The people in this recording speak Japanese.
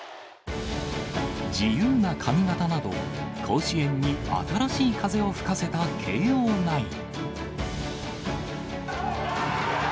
自由な髪形など、甲子園に新しい風を吹かせた慶応ナイン。